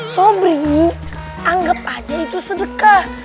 sobri anggap aja itu sedekah